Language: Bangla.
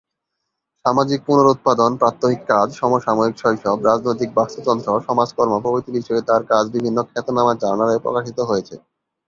সামাজিক পুনরুৎপাদন, প্রাত্যহিক কাজ, সমসাময়িক শৈশব, রাজনৈতিক বাস্তুতন্ত্র, সমাজকর্ম প্রভৃতি বিষয়ে তাঁর কাজ বিভিন্ন খ্যাতনামা জার্নালে প্রকাশিত হয়েছে।